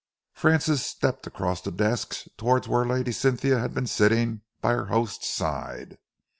Francis stepped across the deck towards where Lady Cynthia had been sitting by her host's side.